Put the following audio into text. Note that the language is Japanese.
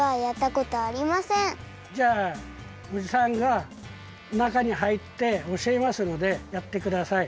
じゃあおじさんがなかにはいっておしえますのでやってください。